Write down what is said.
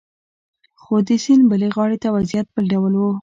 خو د سیند بلې غاړې ته وضعیت بل ډول و